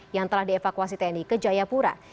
yang telah dievakuasi tni ke jayapura